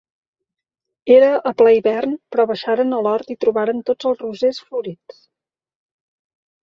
Era a ple hivern, però baixaren a l’hort i trobaren tots els rosers florits.